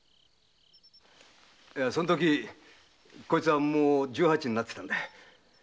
そのときこいつはもう十八になってたんだ。